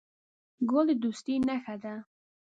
ګل د دوستۍ نښه ده.